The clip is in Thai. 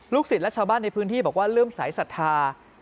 ศิษย์และชาวบ้านในพื้นที่บอกว่าเริ่มสายศรัทธา